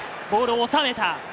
ボールを収めた。